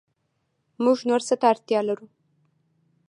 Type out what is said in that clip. موږ نور څه ته اړتیا لرو